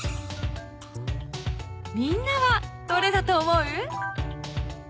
［みんなはどれだと思う？］